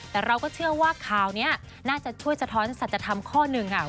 แต่เราก็เชื่อว่าข่าวนี้น่าจะช่วยสะท้อนสัจธรรมข้อหนึ่งค่ะ